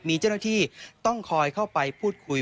มีเจ้าหน้าที่ต้องคอยเข้าไปพูดคุย